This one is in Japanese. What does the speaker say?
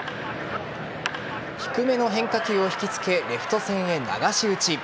低めの変化球を引きつけレフト線へ流し打ち。